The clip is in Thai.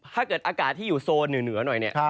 ถ้าเกิดอากาศที่อยู่โซนอยู่เหนือหน่อยเนี่ย